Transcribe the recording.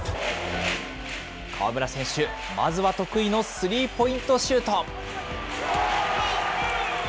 河村選手、まずは得意のスリーポイントシュート。